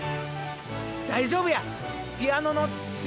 大丈夫や！